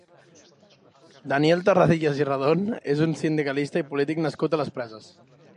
Daniel Terradellas i Redon és un sindicalista i polític nascut a les Preses.